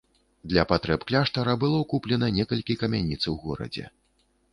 Для патрэб кляштара было куплена некалькі камяніц у горадзе.